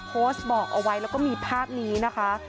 โพสต์บอกเอาไว้แล้วก็มีภาพนี้นะคะ